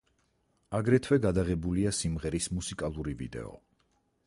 აგრეთვე გადაღებულია სიმღერის მუსიკალური ვიდეო.